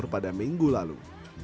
pada minggu lalu